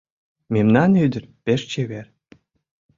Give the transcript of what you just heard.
Мемнан ӱдыр пеш чевер